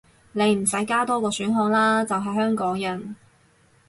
你唔使加多個選項喇，就係香港人